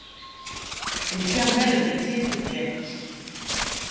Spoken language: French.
Il permet le maintien des berges.